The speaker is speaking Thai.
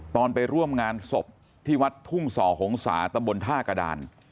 ตอนไปร่วมงานศพที่วัดทุ่งศของสาธบนท่ากระดาน